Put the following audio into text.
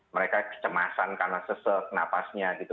mereka kecemasan karena sesek nafasnya gitu